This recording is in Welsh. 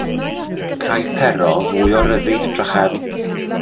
Cai Pero fwy o ryddid drachefn.